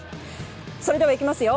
それではいきますよ。